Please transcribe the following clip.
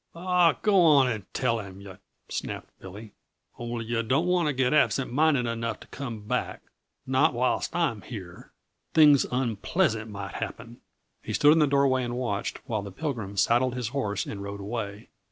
"Aw, go on and tell him, yuh !" snapped Billy. "Only yuh don't want to get absent minded enough to come back not whilst I'm here; things unpleasant might happen." He stood in the doorway and watched while the Pilgrim saddled his horse and rode away.